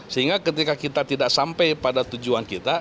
sehingga ketika kita tidak sampai pada tujuan kita